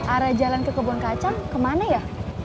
arah jalan ke kebun kacang kemana ya